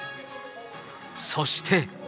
そして。